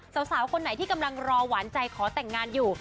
สาวคนไหนที่กำลังรอหวานใจขอแต่งงานอยู่